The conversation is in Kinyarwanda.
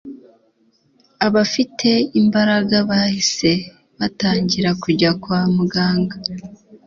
abafite imbaraga bahise batangira kujya kwa muganga